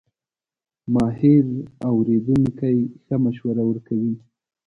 ماهر اورېدونکی ښه مشوره ورکوي.